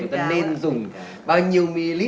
chúng ta nên dùng bao nhiêu ml